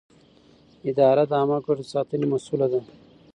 اداره د عامه ګټو د ساتنې مسووله ده.